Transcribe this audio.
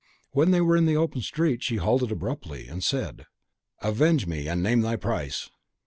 When they were in the open street, she halted abruptly, and said, "Avenge me, and name thy price!"